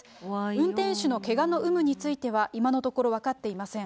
運転手のけがの有無については今のところ、分かっていません。